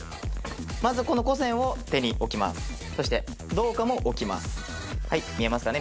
まずこの古銭を手に置きますそして銅貨も置きますはい見えますかね